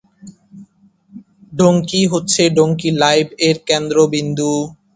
"Donkey" হচ্ছে "Donkey Live" এর কেন্দ্রবিন্দু!